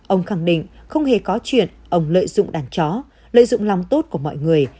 ông khẳng định không hề có chuyện ông lợi dụng đàn chó lợi dụng lòng tốt của mọi người